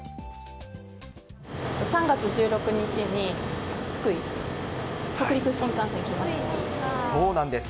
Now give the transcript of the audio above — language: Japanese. ３月１６日に、福井、そうなんです。